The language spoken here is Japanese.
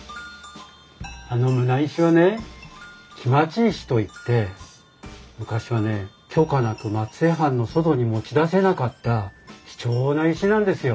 あの棟石はね来待石といって昔はね許可なく松江藩の外に持ち出せなかった貴重な石なんですよ。